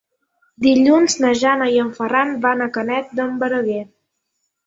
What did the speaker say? Dilluns na Jana i en Ferran van a Canet d'en Berenguer.